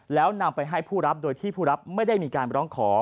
แล้วนำไปให้ผู้รับโดยที่ผู้รับไม่ได้มีการร้องขอ